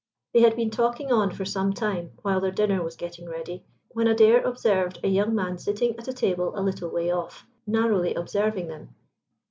They had been talking on for some time while their dinner was getting ready, when Adair observed a young man sitting at a table a little way off, narrowly observing them.